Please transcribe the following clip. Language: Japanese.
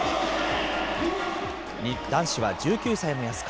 男子は１９歳の安川。